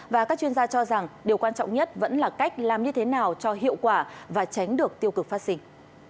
và các chuyên gia cho rằng điều quan trọng nhất vẫn là cách làm như thế nào cho hiệu quả và tránh được tiêu cực phát sinh